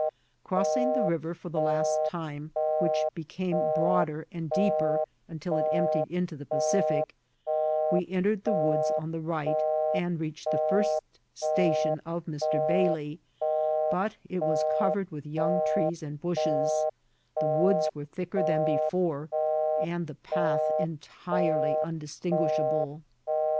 Crossing the river for the last time, which be came broader and deeper until it emptied into the Pa cific, we entered the woods on the rig^t, and reached the first station of Mr. Bailey ; but it was covered with young trees and bushes ; the woods were thicker than before, and the path entirely undistinguishable.